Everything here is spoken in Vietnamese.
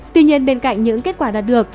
tuy nhiên bên cạnh những kết quả đạt được